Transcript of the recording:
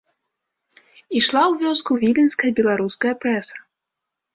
Ішла ў вёску віленская беларуская прэса.